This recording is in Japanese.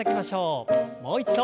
もう一度。